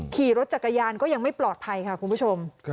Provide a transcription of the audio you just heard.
ขี่รถจักรยานก็ยังไม่ปลอดภัยค่ะคุณผู้ชม